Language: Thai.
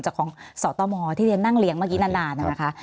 จากของสตมที่เรียนนั่งเลี้ยงเมื่อกี้นานนะคะ